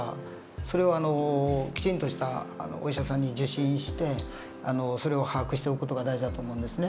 それをきちんとしたお医者さんに受診してそれを把握しておく事が大事だと思うんですね。